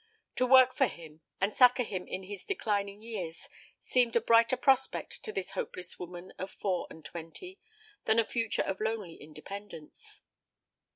To work for him and succour him in his declining years seemed a brighter prospect to this hopeless woman of four and twenty than a future of lonely independence.